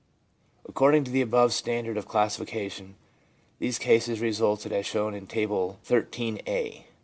According to the above standard of classification, the cases resulted as shown in Table XII I A.